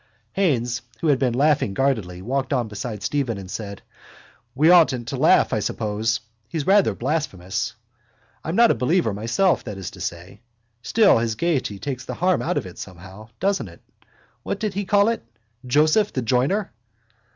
Haines, who had been laughing guardedly, walked on beside Stephen and said: —We oughtn't to laugh, I suppose. He's rather blasphemous. I'm not a believer myself, that is to say. Still his gaiety takes the harm out of it somehow, doesn't it? What did he call it? Joseph the Joiner?